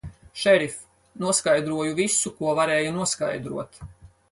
Šerif, noskaidroju visu, ko varēja noskaidrot.